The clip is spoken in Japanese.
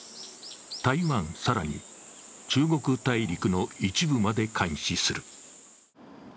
台湾、さらに中国大陸の一部まで監視する。